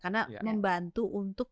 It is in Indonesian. karena membantu untuk